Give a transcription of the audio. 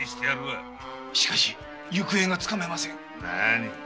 しかし行方がつかめません！